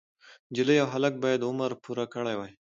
نجلۍ او هلک باید عمر پوره کړی وای.